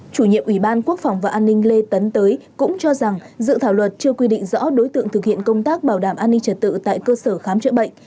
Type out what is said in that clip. chủ nhiệm ủy ban quốc phòng và an ninh lê tấn tới cũng cho rằng dự thảo luật chưa quy định rõ đối tượng thực hiện công tác bảo đảm an ninh trật tự tại cơ sở khám chữa bệnh